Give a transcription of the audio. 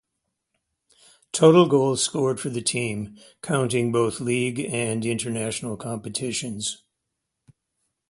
Total goals scored for the team, counting both league and international competitions.